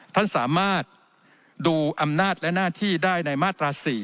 ท่านสามารถดูอำนาจและหน้าที่ได้ในมาตรา๔